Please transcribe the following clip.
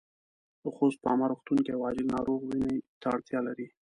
د خوست په عامه روغتون کې يو عاجل ناروغ وينې ته اړتیا لري.